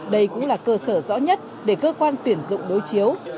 đây cũng là cơ sở rõ nhất để cơ quan tuyển dụng đối chiếu